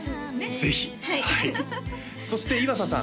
ぜひそして岩佐さん